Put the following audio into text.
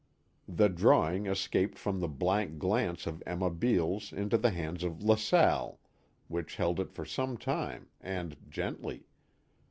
The drawing escaped from the blank glance of Emma Beales into the hands of LaSalle, which held it for some time, and gently.